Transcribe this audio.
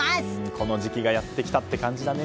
この時期がやってきたって感じだね。